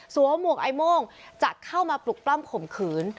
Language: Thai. สวมวกไอโม่งจัดเข้ามาปลุกปล้อมขมขืน